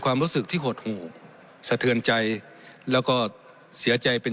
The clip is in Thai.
ความรู้สึกที่หดหู่สะเทือนใจแล้วก็เสียใจเป็น